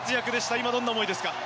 今、どんな思いですか。